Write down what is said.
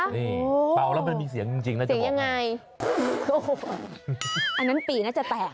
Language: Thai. นี่เป่าแล้วไม่มีเสียงจริงน่าจะบอกให้อันนั้นปี่น่าจะแตก